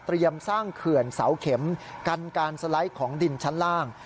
สร้างเขื่อนเสาเข็มกันการสไลด์ของดินชั้นล่าง